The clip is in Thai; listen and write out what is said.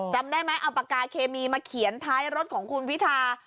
จำได้ไหมเอาปากกาเคมีมาเขียนท้ายรถของคุณพิธา